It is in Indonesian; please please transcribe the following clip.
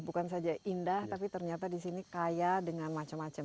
bukan saja indah tapi ternyata di sini kaya dengan macam macam